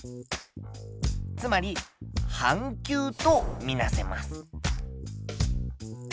つまり半球とみなせます。